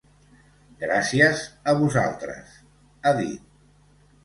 Gràcies a vosaltres, ha dit.